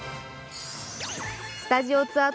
スタジオツアー